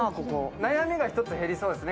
悩みが一つ減りそうですね。